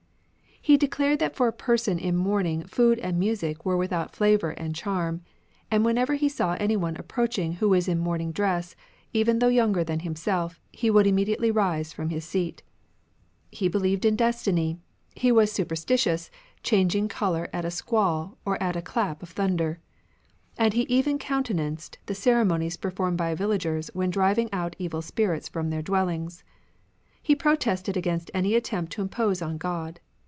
He declared that for a person in mourning food and music were without fiavour and charm ; and whenever he saw any one approaching who was in mourning dress, even though younger than himself, he would immediately rise from his seat. He believed in destiny ; he was super stitious, changing colour at a squall or at a clap of thunder ; and he even countenanced the ceremonies performed by viUagers when driving out evil spirits from their dwellings. He pro tested against any attempt to impose on God.